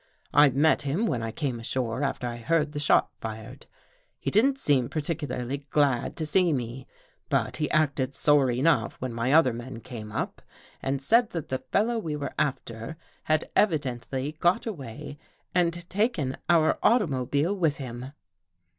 I met him when I came ashore after I heard the shot fired. He didn't seem particularly glad to see me, but he acted sore enough when my other men came up, and said that the fellow we were after had evidently got away and taken our automobile with him."